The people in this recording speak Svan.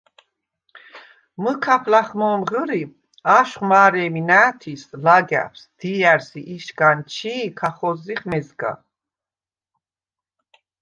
მჷქაფ ლახ მო̄მ ღჷრი, აშხვ მა̄რე̄მი ნა̄̈თის – ლაგა̈ფს, დია̈რს ი იშგან ჩი̄ ქახოზზიხ მეზგა.